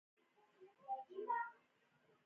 بنګله دیش جوړ شو.